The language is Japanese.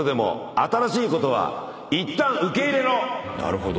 なるほど。